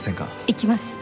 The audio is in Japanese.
行きます。